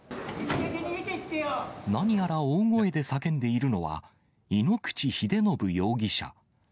何やら大声で叫んでいるのは、井ノ口秀信容疑者。